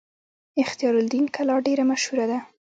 اختیار الدین کلا ډیره مشهوره ده